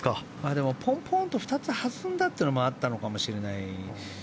でも、ポンポンと２つ弾んだというのもあったのかもしれない。